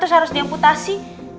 terus harus diam diam putasi